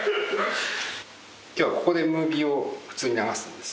今日はここでムービーを普通に流すんです。